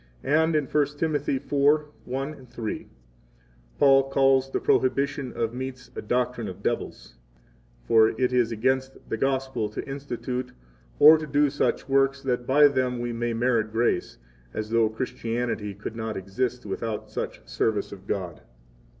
And in 1 Tim. 4:1,3 Paul calls the prohibition of meats a doctrine of devils; for it is against the Gospel to institute or to do such works that by them we may merit grace, or as though Christianity could not exist without such service of God.